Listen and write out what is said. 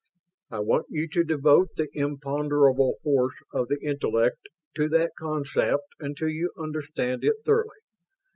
I want you to devote the imponderable force of the intellect to that concept until you understand it thoroughly.